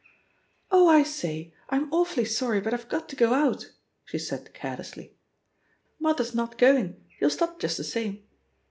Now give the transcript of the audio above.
"Oh, I say, I'm awfully sorry, but I've got to go out," she said carelessly. "Mother's not go ing, you'll stop just the same."